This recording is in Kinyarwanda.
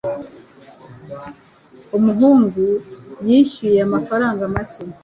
Umuhungu yishyuye amafaranga make